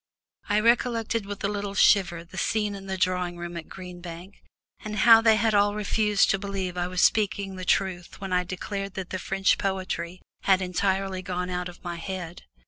I recollected with a little shiver the scene in the drawing room at Green Bank, and how they had all refused to believe I was speaking the truth when I declared that the French poetry had entirely gone out of my head.